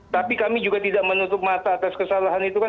tapi kami juga tidak menutup mata atas kesalahan itu kan